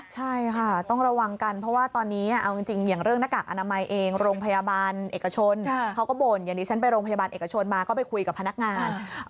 ใช่ค่ะต้องระวังกันเพราะว่าตอนนี้เอาจริงอย่างเรื่องหน้ากากอนามัยเองโรงพยาบาลเอกชนเขาก็บ่นอย่างที่ฉันไปโรงพยาบาลเอกชนมาก็ไปคุยกับพนักงาน